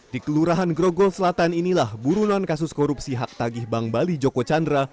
di kelurahan grogol selatan inilah burunan kasus korupsi hak tagih bank bali joko chandra